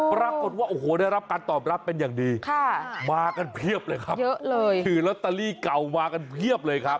อ๋อปรากฏว่าโอ้โหได้รับการตอบรับเป็นอย่างดีมากันเพียบเลยครับคือลอตาลีเก่ามากันเพียบเลยครับ